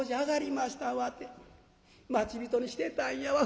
わて待ち人にしてたんやわ。